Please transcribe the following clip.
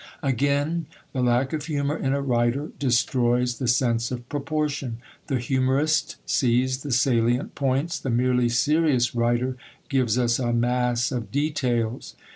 Again, the lack of humour in a writer destroys the sense of proportion. The humorist sees the salient points the merely serious writer gives us a mass of details.